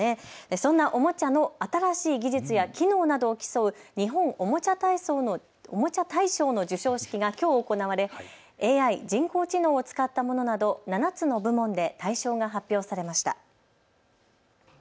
そんなおもちゃの新しい技術や機能などを競う日本おもちゃ大賞の授賞式がきょう行われＡＩ・人工知能を使ったものなど７つの部門で大賞が発表されました。